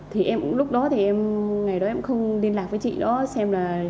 thì em cũng lúc đó thì em ngày đó em cũng không liên lạc với chị đó xem là